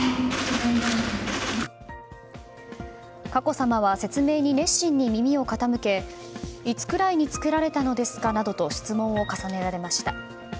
佳子さまは説明に熱心に耳を傾けいつくらいに作られたのですかなどと質問を重ねられました。